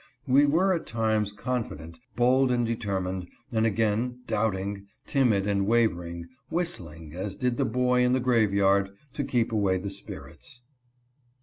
We were, at times, confident, bold and determined, and again, doubting, timid and waver ing ; whistling, as did the boy in the grave yard to keep away the spirits.